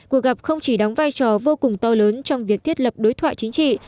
cuộc gặp không chỉ đóng vai trò vô cùng to lớn trong việc thiết lập đối thoại chính trị